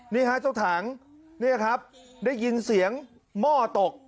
นี่ฮะเจ้าถังนี่ครับได้ยินเสียงหม้อตก